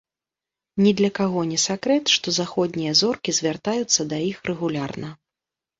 Ні для каго не сакрэт, што заходнія зоркі звяртаюцца да іх рэгулярна.